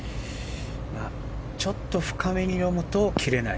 ちょっと深めに読むと切れない。